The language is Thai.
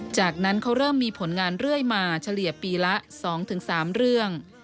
จากนั้นเขาเริ่มมีผลงานเรื่อยมาเฉลี่ยปีละ๒๓เรื่อง